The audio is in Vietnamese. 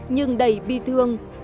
nhưng đầy bi thương